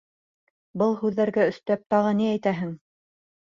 Был һүҙҙәргә өҫтәп тағы ни әйтәһең?!